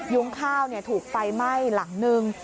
ยุ้งข้าวถูกไฟไหม้หลังนึง